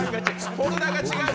フォルダが違う。